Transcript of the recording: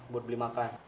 buat beli makan